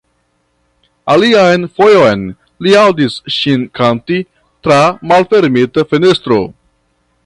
Alian fojon li aŭdis ŝin kanti tra malfermita fenestro.